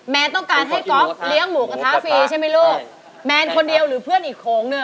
แมนต้องการให้ก๊อฟเลี้ยงหมูกระทะฟรีใช่มั้ยลูก